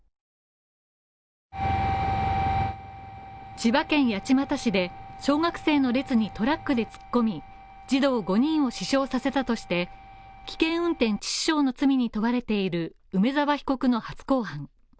千葉県八街市で小学生の列にトラックで突っ込み児童５人を死傷させたとして危険運転致死傷の罪に問われている梅沢被告の初公判。